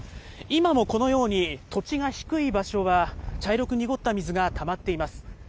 今もこのように、土地が低い場所は、茶色く濁った水がたまっています。